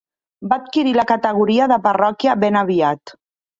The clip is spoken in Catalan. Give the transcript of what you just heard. Va adquirir la categoria de parròquia ben aviat.